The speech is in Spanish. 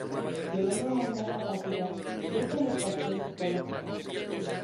Tiene una honda capacidad de penetración psicológica.